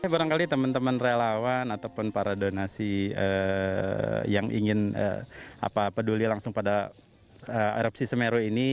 barangkali teman teman relawan ataupun para donasi yang ingin peduli langsung pada erupsi semeru ini